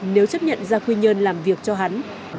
nếu chấp nhận ra quy nhơn làm việc cho hắn